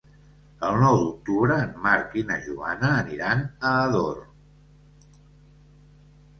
El nou d'octubre en Marc i na Joana aniran a Ador.